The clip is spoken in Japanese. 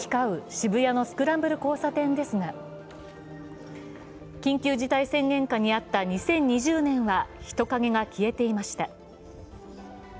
渋谷のスクランブル交差点ですが緊急事態宣言下にあった２０２０年は人影が消えていました。